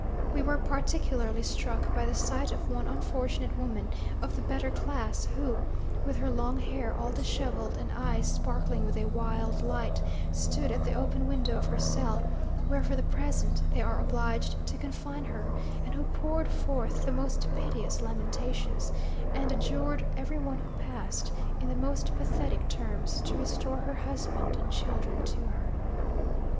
We were particularly struck by the sight of one unfortunate woman of the better class, who, with her long hair all dishevelled, and eyes sparkling with a wild light, stood at the open window of her cell, where for the present they are obliged to confine her, and who poured forth the most piteous lamentations, and adjured every one who passed, in the most pathetic terms, to restore her husband and children to her.